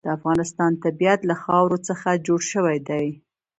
د افغانستان طبیعت له خاوره څخه جوړ شوی دی.